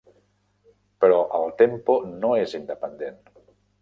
Però el tempo no és independent!